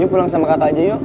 yuk pulang sama kakak aja yuk